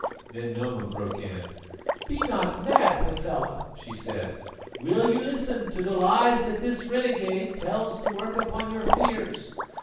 Then Noma broke in. "Be not mad, Hafela!" she said. "Will you listen to the lies that this renegade tells to work upon your fears?